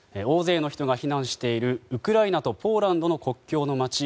大勢の人が避難しているウクライナとポーランドの国境の街